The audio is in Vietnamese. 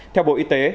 theo bộ y tế